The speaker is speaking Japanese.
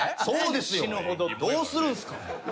そうですよ。どうするんすか。